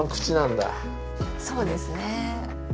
そうですね。